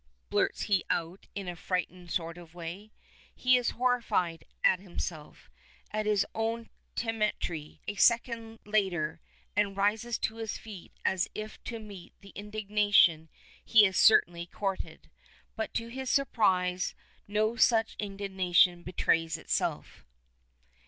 blurts he out in a frightened sort of way. He is horrified, at himself at his own temerity a second later, and rises to his feet as if to meet the indignation he has certainly courted. But to his surprise no such indignation betrays itself.